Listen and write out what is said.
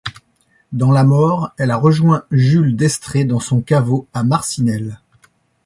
Dans la mort, elle a rejoint Jules Destrée dans son caveau à Marcinelle.